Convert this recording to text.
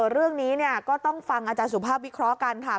เรื่องนี้ก็ต้องฟังอาจารย์สุภาพวิเคราะห์กันค่ะ